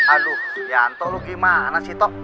aduh yanto lu gimana sih tok